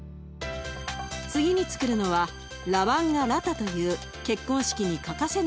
次につくるのはラバンガ・ラタという結婚式に欠かせないデザート。